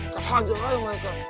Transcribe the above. terhadap aja mereka